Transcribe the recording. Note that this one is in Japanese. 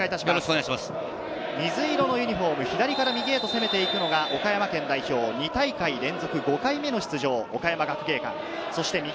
水色のユニホーム、左から右へと攻めて行くのが岡山県代表、２大会連続５回目の出場、岡山学芸館。